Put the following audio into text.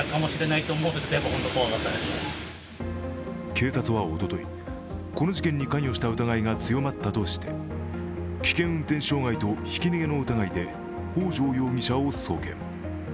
警察はおととい、この事件に関与した疑いが強まったとして危険運転傷害とひき逃げの疑いで北條容疑者を送検。